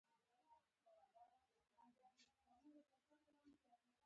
د ضرورت پر وخت به يې بولدانۍ راکوله.